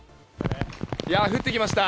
降ってきました。